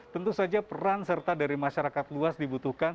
tentu saja peran serta dari masyarakat luas dibutuhkan